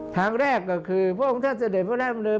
ทางแรกก็คือพระองค์ท่านเสด็จพระองค์ท่านบรรเวลา